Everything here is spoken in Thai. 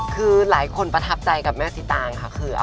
คือหลายคนประทับใจกับแม่สีตางค่ะคือ